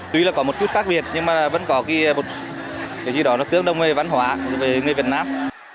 tuy là có một chút khác biệt nhưng mà vẫn có cái gì đó nó tương đồng về văn hóa với người việt nam